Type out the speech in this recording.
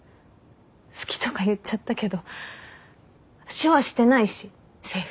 好きとか言っちゃったけど手話してないしセーフ。